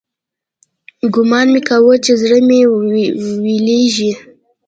ګومان مې كاوه چې زړه مې ويلېږي.